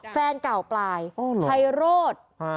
แฟนเก่าปลายไพโรธ